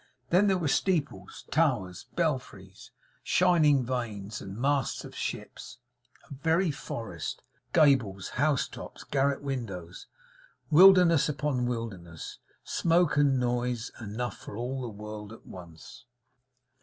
Then there were steeples, towers, belfries, shining vanes, and masts of ships; a very forest. Gables, housetops, garret windows, wilderness upon wilderness. Smoke and noise enough for all the world at once.